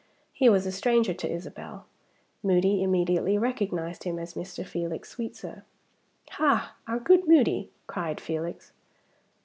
He was a stranger to Isabel. Moody immediately recognized him as Mr. Felix Sweetsir. "Ha! our good Moody!" cried Felix.